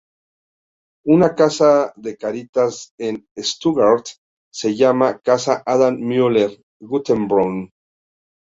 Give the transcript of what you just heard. Una casa de Caritas en Stuttgart se llama la casa Adam Müller-Guttenbrunn.